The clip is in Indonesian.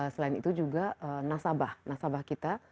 selain itu juga nasabah nasabah kita